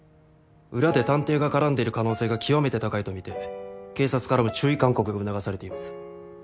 裏で探偵が絡んでいる可能性が極めて高いとみて警察からも注意勧告が促されています。